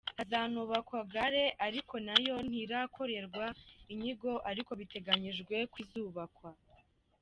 Hazanubakwa gare ariko nayo ntirakorerwa inyigo ariko biteganyijwe ko izubakwa.